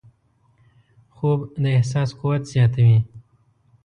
خوب د احساس قوت زیاتوي